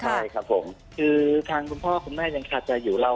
ใช่ครับผมคือทางคุณพ่อคุณแม่ยังคาใจอยู่เรา